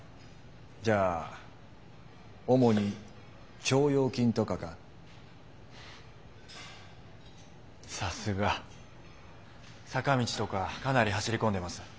じゃあ主に「腸腰筋」とかか。さすが。「坂道」とかかなり走り込んでます。